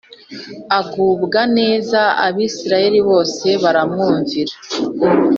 agubwa neza Abisirayeli bose baramwumvira